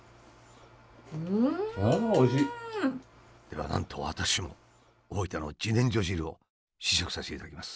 ではなんと私も大分の自然薯汁を試食させていただきます。